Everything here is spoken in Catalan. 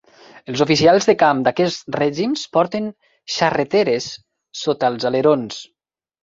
Els oficials de camp d"aquests règims porten xarreteres sota els alerons.